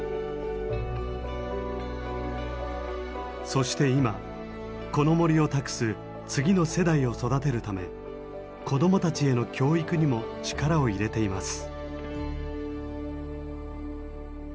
そして今この森を託す次の世代を育てるため子どもたちへの教育にも力を入れています。